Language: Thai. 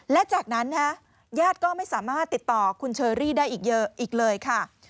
และจากนั้นญาติก็ไม่สามารถติดต่อคุณเชอรี่ได้อีกเยอะอีกเลยค่ะ